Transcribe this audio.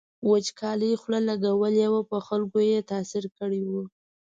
وچکالۍ خوله لګولې وه په خلکو یې تاثیر کړی و.